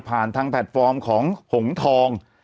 ทางแพลตฟอร์มของหงทอง